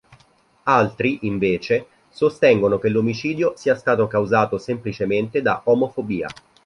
Altri, invece, sostengono che l'omicidio sia stato causato semplicemente da omofobia.